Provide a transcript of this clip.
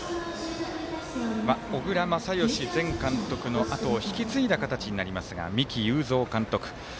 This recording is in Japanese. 小倉全由前監督のあとを引き継いだ形になりますが三木有造監督。